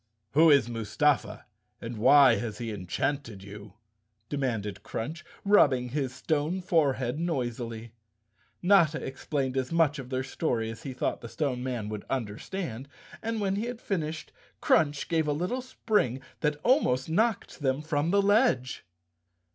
"Who is Mustafa and why has he enchanted you?" demanded Crunch, rubbing his stone forehead noisily. Notta explained as much of their story as he thought the Stone Man would understand, and when he had finished Crunch gave a little spring that almost knocked them from the ledge.